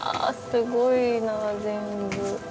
すごいな全部。